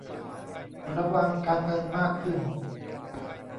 ระวังการเงินมากขึ้น